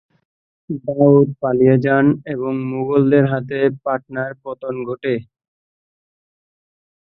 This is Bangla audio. দাউদ পালিয়ে যান এবং মুগলদের হাতে পাটনার পতন ঘটে।